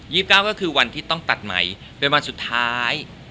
เก้าก็คือวันที่ต้องตัดใหม่เป็นวันสุดท้าย